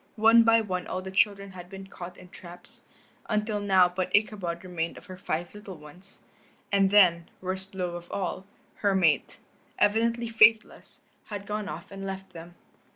One by one all the children had been caught in traps, until now but Ichabod remained of her five little ones. And then, worst blow of all, her mate, evidently faithless, had gone off and left them.